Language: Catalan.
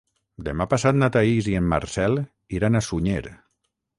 Demà passat na Thaís i en Marcel iran a Sunyer.